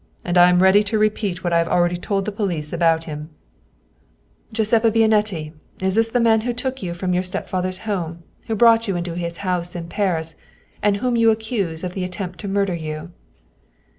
" And I am ready to repeat what I have already told the police about him." 127 German Mystery Stories " Giuseppa Bianetti, is this the man who took you from your stepfather's home, who brought you into his house in Paris, and whom you accuse of the attempt to murder you